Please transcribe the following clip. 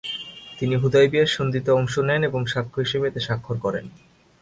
তিনি হুদায়বিয়ার সন্ধিতে অংশ নেন এবং সাক্ষ্য হিসেবে এতে স্বাক্ষর করেন।